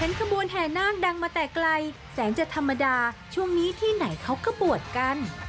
ขบวนแห่นาคดังมาแต่ไกลแสงจะธรรมดาช่วงนี้ที่ไหนเขาก็บวชกัน